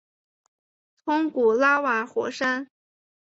通古拉瓦火山。